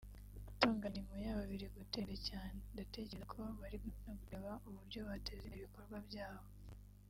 Gutunganya imirimo yabo biri gutera imbere cyane…Ndatekereza ko bari no kureba uburyo bateza imbere ibikorwa byabo